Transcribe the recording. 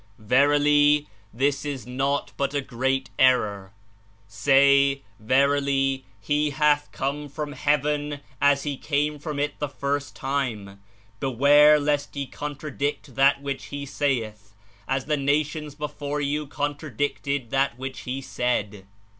Verily, this is naught but a great error. Say: Verily, He hath come from Fleaven as He came from it the first time : be ware lest ye contradict that which He saith, as the nations before you contradicted that which He said.